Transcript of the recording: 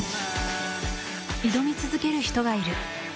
挑み続ける人がいる。